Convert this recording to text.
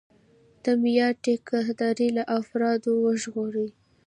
د معیار ټیکهداري له افرادو وژغوري.